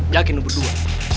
yakin lo berdua